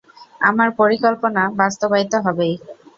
আমার পরিকল্পনা বাস্তবায়িত হবেই।